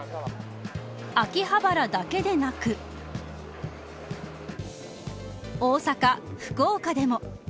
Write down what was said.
秋葉原だけでなく大阪、福岡でも。